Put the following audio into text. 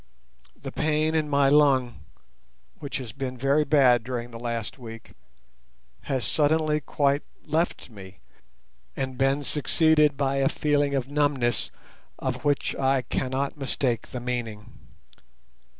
The pain in my lung, which has been very bad during the last week, has suddenly quite left me, and been succeeded by a feeling of numbness of which I cannot mistake the meaning.